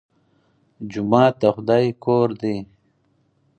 جومات د خدای کور دی